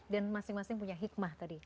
masing masing punya hikmah tadi